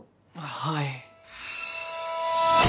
はい。